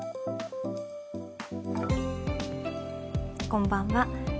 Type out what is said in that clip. こんばんは。